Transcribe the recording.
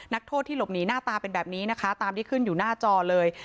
นักโทษที่หลบหนีหน้าตาเป็นแบบนี้นะคะตามที่ขึ้นอยู่หน้าจอเลย